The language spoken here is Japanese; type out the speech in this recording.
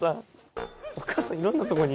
お母さんいろんなとこに。